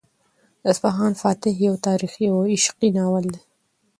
د اصفهان فاتح یو تاریخي او عشقي ناول دی.